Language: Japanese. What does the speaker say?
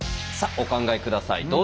さあお考え下さい。